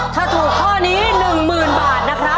ถ้าถูกข้อนี้๑๐๐๐บาทนะครับ